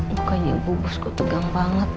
bukannya bu bos kok tegang banget